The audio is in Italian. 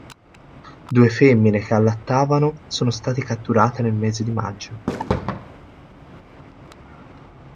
Due femmine che allattavano sono state catturate nel mese di maggio.